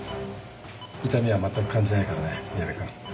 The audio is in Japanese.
痛みは全く感じないからね宮部くん。